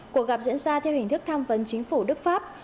cuộc gặp diễn ra theo hình thức tham vấn chính phủ đức pháp